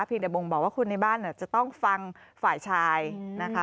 แต่บ่งบอกว่าคนในบ้านจะต้องฟังฝ่ายชายนะคะ